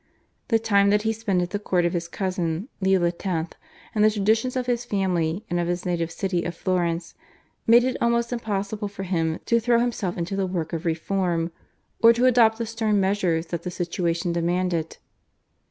The time that he spent at the court of his cousin, Leo X., and the traditions of his family and of his native city of Florence made it almost impossible for him to throw himself into the work of reform or to adopt the stern measures that the situation demanded.